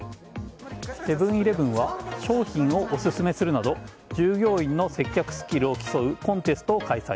セブン‐イレブンは商品をおすすめするなど従業員の接客スキルを競うコンテストを開催。